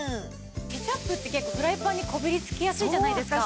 ケチャップって結構フライパンにこびりつきやすいじゃないですか。